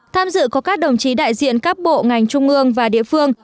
tham dự có các đồng chí đại diện các bộ ngành trung ương và địa phương